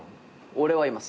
俺はいます。